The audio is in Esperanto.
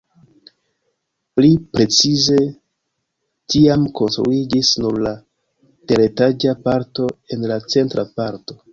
Pli precize tiam konstruiĝis nur la teretaĝa parto en la centra parto.